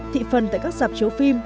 thị phần tại các sạp chiếu phim